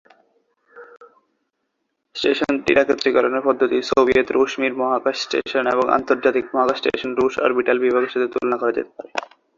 স্টেশনটির একত্রীকরণের পদ্ধতিটি সোভিয়েত-রুশ মির মহাকাশ স্টেশন এবং আন্তর্জাতিক মহাকাশ স্টেশনটির রুশ অরবিটাল বিভাগের সাথে তুলনা করা যেতে পারে।